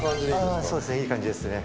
いい感じですね。